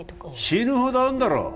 死ぬほどあんだろ